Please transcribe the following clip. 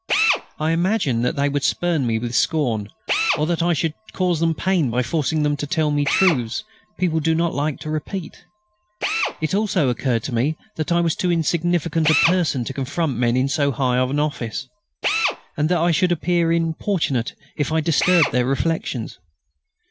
I imagined that they would spurn me with scorn, or that I should cause them pain by forcing them to tell me truths people do not like to repeat. It also occurred to me that I was too insignificant a person to confront men so high in office, and that I should appear importunate if I disturbed their reflections.